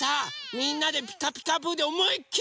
みんなで「ピカピカブ！」でおもいっきり